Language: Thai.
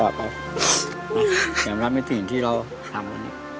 รับหรือไม่รับอย่างรักไม่ถึงที่เราทำ